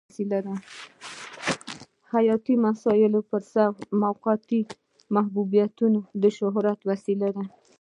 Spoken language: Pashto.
حیاتي مسایلو پرسر موقتي محبوبیت د شهرت وسیله ده.